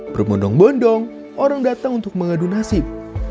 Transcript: bermondong mondong orang datang untuk mengadu nasib